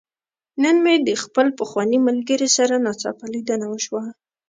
نن مې د خپل پخواني ملګري سره ناڅاپه ليدنه وشوه.